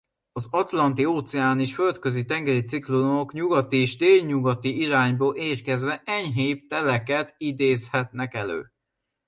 Az atlanti-óceáni és földközi-tengeri ciklonok nyugati és délnyugati irányból érkezve enyhébb teleket idézhetnek elő.